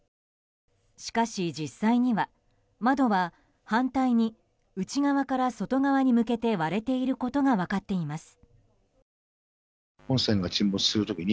しかし、実際には窓は反対に内側から外側に向けて割れていることが分かっています。